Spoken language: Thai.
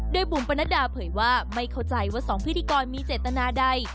โดยบุ๋มปนัดดาเผยว่าไม่เข้าใจว่า๒พิธีกรมีเจตนาใด